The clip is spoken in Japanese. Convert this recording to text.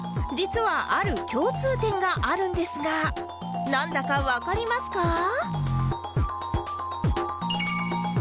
実はある共通点があるんですがなんだかわかりますか？